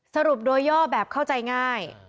สรุปโดยย่อแบบเข้าใจง่าย